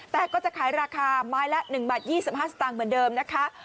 แต่ก็จะขายราคาไม้ละ๑บาท๒๕สตางค์เหมือนเดิมนะคะ